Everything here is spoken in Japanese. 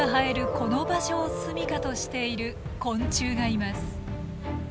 この場所を住みかとしている昆虫がいます。